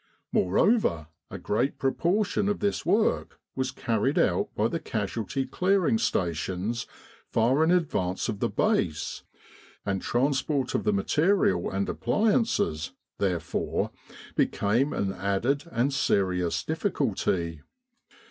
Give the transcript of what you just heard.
Moreover, a great proportion of this work was carried out by the Casualty Clearing 207 With the R.A.M.C. in Egypt Stations far in advance of the Base, and transport of the material and appliances, therefore, became an added and serious difficulty.